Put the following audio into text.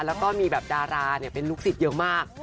แล้วก็มีแบบดาราเป็นลูกศิษย์เยอะมาก